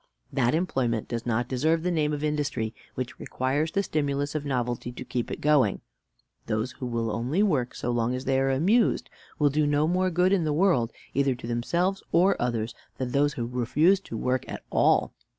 That employment does not deserve the name of industry which requires the stimulus of novelty to keep it going. Those who will only work so long as they are amused will do no more good in the world, either to themselves or others, than those who refuse to work at all.